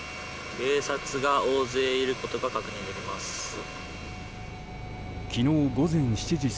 警察が大勢いることが確認できます。